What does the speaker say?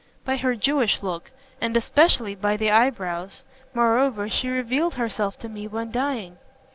"By her Jewish look, and especially by the eyebrows. Moreover, she revealed herself to me when dying."